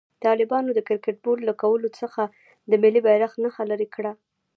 طالبانو د کرکټ بورډ له لوګو څخه د ملي بيرغ نښه لېري کړه.